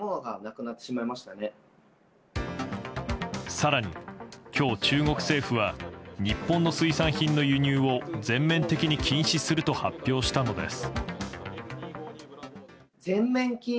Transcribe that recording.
更に今日、中国政府は日本の水産品の輸入を全面的に禁止すると発表したのです。